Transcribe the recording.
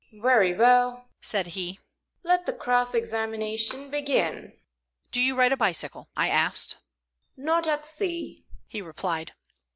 "Very well," said he. "Let the cross examination begin." "Do you ride a bicycle?" I asked. "Not at sea," he replied.